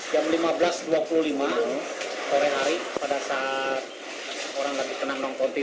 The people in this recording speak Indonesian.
jam lima belas dua puluh lima sore hari pada saat orang lagi kena non konti